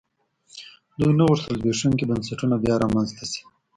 دوی نه غوښتل زبېښونکي بنسټونه بیا رامنځته شي.